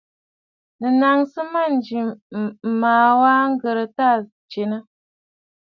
Nɨ̀ naŋsə mânjì M̀màꞌàmb ŋ̀ghɨrə t à tsinə!.